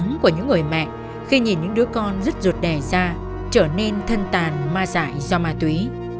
cái đắng của những người mẹ khi nhìn những đứa con rất ruột đẻ ra trở nên thân tàn ma dại do ma túy